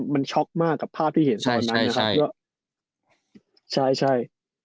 มันช็อคมากกับภาพที่เห็นตอนนั้นใช่ใช่ใช่ใช่ใช่